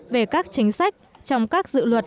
về các chính sách trong các dự luật